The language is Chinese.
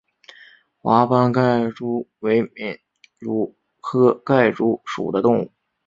华斑盖蛛为皿蛛科盖蛛属的动物。